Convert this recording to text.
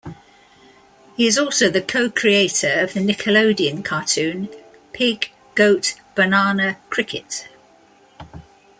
He is also the co-creator of the Nickelodeon cartoon "Pig Goat Banana Cricket".